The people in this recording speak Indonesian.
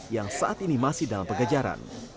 yang saat ini masih dalam pegejaran